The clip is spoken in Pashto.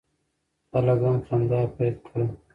خلک هم خندا پیل کړه.